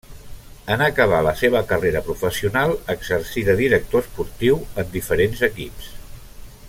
En acabar la seva carrera professional exercí de director esportiu en diferents equips.